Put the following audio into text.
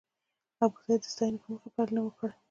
د ابوزید د ستاینې په موخه پيل نه کړی و.